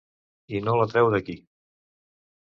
I no la treu d'aquí.